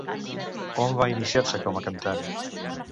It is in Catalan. On va iniciar-se com a cantant?